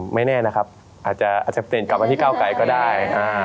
ไม่แน่นะครับอาจจะกลับมาที่ก้าวไกลก็ได้